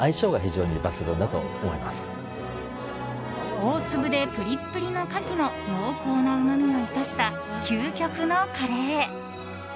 大粒でプリップリのカキの濃厚なうまみを生かした究極のカレー。